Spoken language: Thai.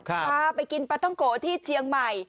พาไปกินปลาท้องโกที่เชียงใหม่